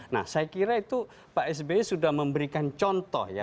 nah saya kira itu pak sby sudah memberikan contoh ya